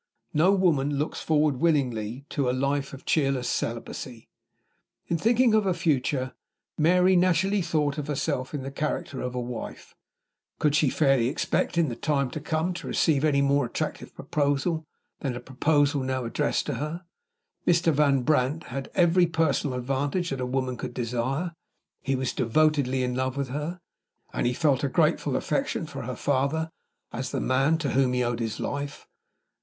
No woman looks forward willingly to a life of cheerless celibacy. In thinking of her future, Mary naturally thought of herself in the character of a wife. Could she fairly expect in the time to come to receive any more attractive proposal than the proposal now addressed to her? Mr. Van Brandt had every personal advantage that a woman could desire; he was devotedly in love with her; and he felt a grateful affection for her father as the man to whom he owed his life.